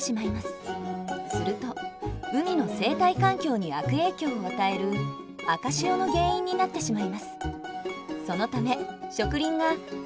すると海の生態環境に悪影響を与える赤潮の原因になってしまいます。